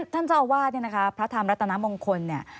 ท่านเจ้าวาดประธามรัตนมงคล